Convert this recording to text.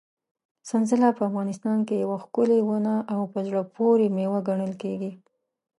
سنځله په افغانستان کې یوه ښکلې ونه او په زړه پورې مېوه ګڼل کېږي.